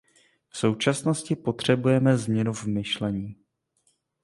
V současnosti potřebujeme změnu v myšlení.